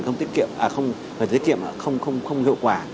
không tiết kiệm không hiệu quả